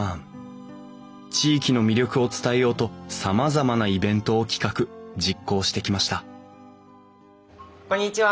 地域の魅力を伝えようとさまざまなイベントを企画実行してきましたこんにちは。